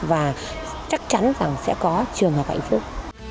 và chắc chắn rằng sẽ có trường hợp hạnh phúc